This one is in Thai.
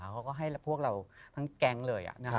เขาก็ให้พวกเราทั้งแก๊งเลย